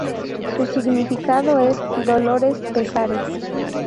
Su significado es "dolores, pesares".